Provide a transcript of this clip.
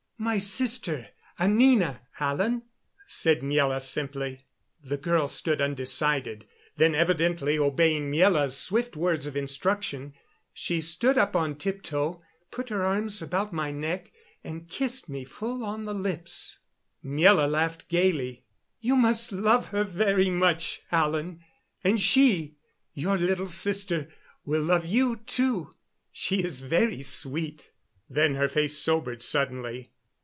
"My sister, Anina Alan," said Miela simply. The girl stood undecided; then, evidently obeying Miela's swift words of instruction, she stood up on tiptoe, put her arms about my neck, and kissed me full on the lips. Miela laughed gayly. "You must love her very much, Alan. And she your little sister will love you, too. She is very sweet." Then her face sobered suddenly.